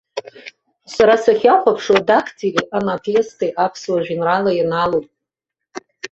Сара сахьахәаԥшуа дактили анапести аԥсуа жәеинраала ианалоит.